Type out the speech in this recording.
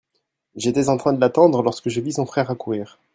J'étais en train de l'attendre lorsque je vis son frère accourir.